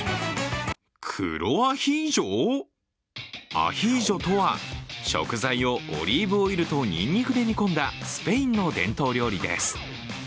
アヒージョとは食材をオリーブオイルとニンニクで煮込んだスペインの伝統料理です。